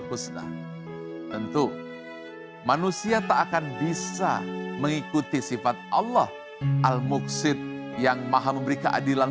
husna tentu manusia tak akan bisa mengikuti sifat allah al muqsid yang maha memberi keadilan